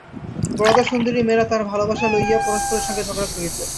বরদাসুন্দরীর মেয়েরা তাহার ভালোবাসা লইয়া পরস্পরের সঙ্গে ঝগড়া করিত।